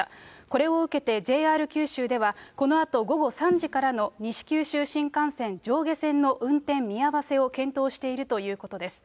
これを受けて、ＪＲ九州では、このあと午後３時からの西九州新幹線上下線の運転見合わせを検討しているということです。